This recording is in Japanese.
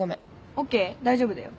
ＯＫ大丈夫だよ。